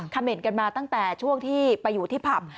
เหม็นกันมาตั้งแต่ช่วงที่ไปอยู่ที่ผับ